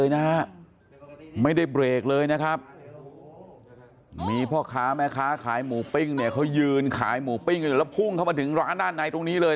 นี่ขับมาแล้วก็ชนโค้งเข้านี่เลย